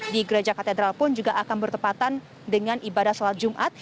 di gereja katedral pun juga akan bertepatan dengan ibadah sholat jumat